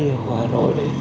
hồ hà nội